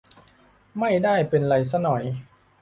ไม่ได้เป็นไรซะหน่อย